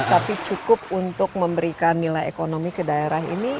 tapi cukup untuk memberikan nilai ekonomi ke daerah ini